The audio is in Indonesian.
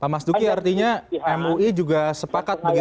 mas duki artinya mui juga sepakat begitu